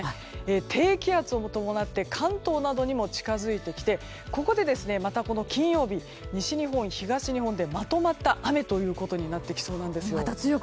低気圧を伴って関東などにも近づいてきてここで、また金曜日西日本、東日本でまとまった雨になってきそうなんです。